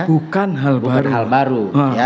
bukan hal baru